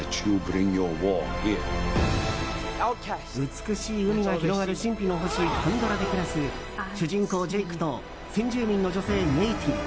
美しい海が広がる神秘の星パンドラで暮らす主人公ジェイクと先住民の女性ネイティリ。